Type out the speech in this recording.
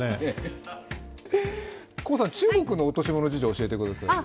高さん、中国の落とし物事情を教えてください。